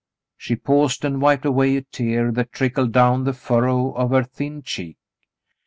She paused and wiped away a tear that trickled down the furrow of her thin cheek.